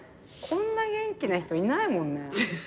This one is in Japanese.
こんな元気な人いないもんね。